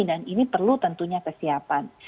dan ini perlu tentunya kesiapan